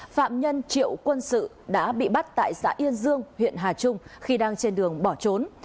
phạm nhân triệu quân sự đã bị bắt tại xã yên dương huyện hà trung khi đang trên đường bỏ trốn